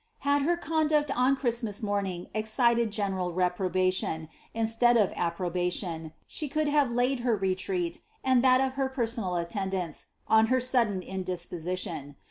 Had her conduct on Christmas morning excited gene ral reprobation, instead of approbation, she could have laid her retreat, and that of her personal attendants, on her sudden indisposition.